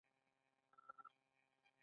دا کار د هغوی لپاره ډېره ګټه نلري